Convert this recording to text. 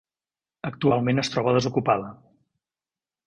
Actualment es troba desocupada.